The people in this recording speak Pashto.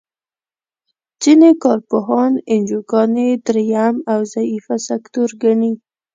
ځینې کار پوهان انجوګانې دریم او ضعیفه سکتور ګڼي.